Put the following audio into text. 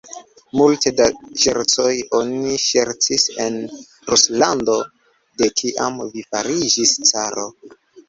Multe da ŝercoj oni ŝercis en Ruslando, de kiam vi fariĝis caro!